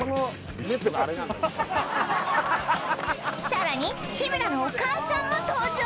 さらに日村のお母さんも登場！